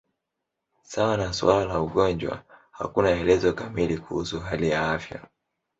Sawa na suala la ugonjwa, hakuna elezo kamili kuhusu hali ya afya.